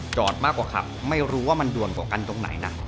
มากกว่าขับไม่รู้ว่ามันด่วนกว่ากันตรงไหนนะ